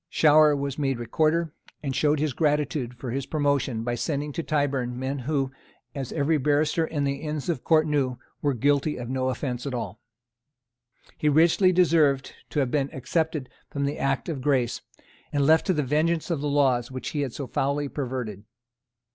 Shower was made Recorder, and showed his gratitude for his promotion by sending to Tyburn men who, as every barrister in the Inns of Court knew, were guilty of no offence at all. He richly deserved to have been excepted from the Act of Grace, and left to the vengeance of the laws which he had so foully perverted.